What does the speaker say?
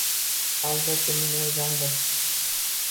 - Ha, albatta, men o'rgandim